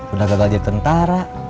udah gagal jadi tentara